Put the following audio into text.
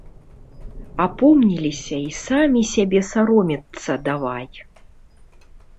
Апомніліся й самі сябе саромецца давай.